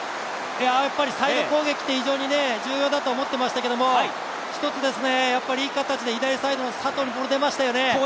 サイド攻撃って非常に重要だと思っていましたけど、１ついい形で左サイドの佐藤にボール出ましたよね。